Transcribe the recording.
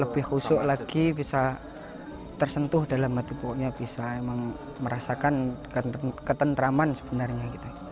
lebih husuk lagi bisa tersentuh dalam hati pokoknya bisa merasakan ketentraman sebenarnya